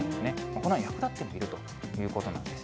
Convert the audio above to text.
このように役立っているということなんです。